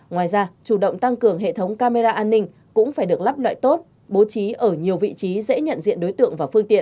ngoài ra chủ động tăng cường hệ thống camera an ninh cũng phải được lắp lại tốt bố trí ở nhiều vị trí dễ nhận diện đối tượng và phương tiện